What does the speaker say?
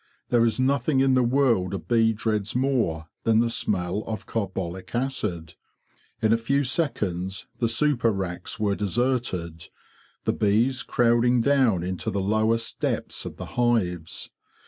There is nothing in the world a bee dreads more than the smell of carbolic acid. In a few seconds the super racks were deserted, the bees crowding down into the lowest depths of the hives.